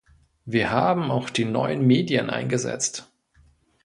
Wir haben auch die neuen Medien eingesetzt.